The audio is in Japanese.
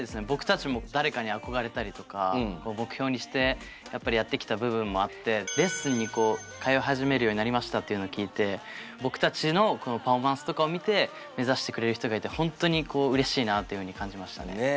僕たちも誰かに憧れたりとか目標にしてやっぱりやってきた部分もあってレッスンに通い始めるようになりましたっていうのを聞いて僕たちのパフォーマンスとかを見て目指してくれる人がいて本当にうれしいなって感じましたね。